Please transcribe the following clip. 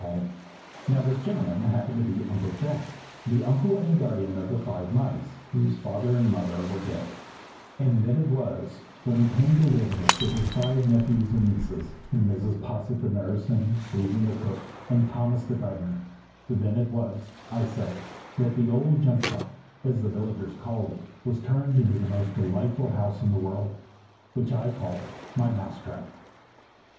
Now this gentleman happened to be Uncle Jack, the uncle and guardian of the Five Mice, whose father and mother were dead; and then it was, when he came to live in it with his five nephews and nieces, and Mrs. Posset the nurse, and Susan the cook, and Thomas the gardener, then it was, I say, that the old Junk shop, as the villagers called it was turned into the most delightful house in the world, which I call my MOUSE TRAP.